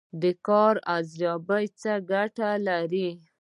د کار ارزیابي څه ګټه لري؟